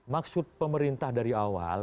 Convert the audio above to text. maksud pemerintah dari awal